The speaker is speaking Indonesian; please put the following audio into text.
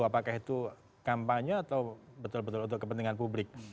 apakah itu kampanye atau betul betul untuk kepentingan publik